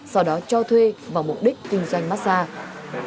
sau đó cho thuê vào mục đích kinh doanh massage